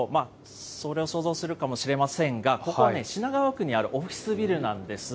それは想像するかもしれませんが、ここはね、品川区にあるオフィスビルなんです。